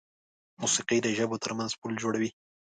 موسیقي د ژبو تر منځ پل جوړوي.